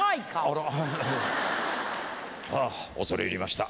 あら。あっ恐れ入りました。